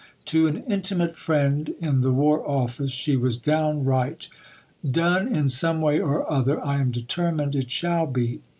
To an intimate friend in the War Office, she was downright: "Done in some way or other, I am determined it shall be."